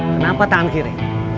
kenapa tangan kiri